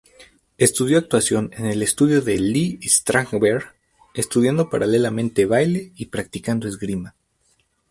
Estudió actuación en el estudio de Lee Strasberg, estudiando paralelamente baile y practicando esgrima.